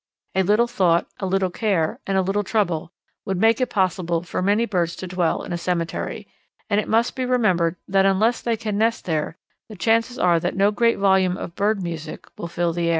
A little thought, a little care, and a little trouble, would make it possible for many birds to dwell in a cemetery, and it must be remembered that unless they can nest there, the chances are that no great volume of bird music will fill the air.